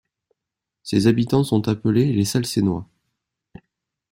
Ses habitants sont appelés les Salseinois.